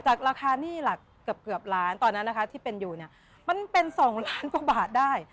ราคาหนี้หลักเกือบล้านตอนนั้นนะคะที่เป็นอยู่เนี่ยมันเป็น๒ล้านกว่าบาทได้